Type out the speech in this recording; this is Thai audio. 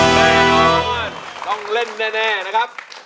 แน่นอนต้องเล่นแน่นะครับ